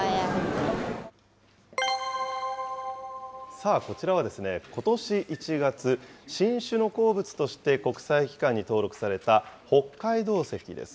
さあ、こちらはことし１月、新種の鉱物として国際機関に登録された北海道石です。